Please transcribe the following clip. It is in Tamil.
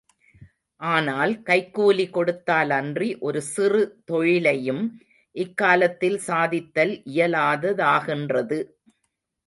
ஆனால், கைக்கூலி கொடுத்தாலன்றி ஒரு சிறு தொழிலையும் இக்காலத்தில் சாதித்தல் இயலாததாகின்றது.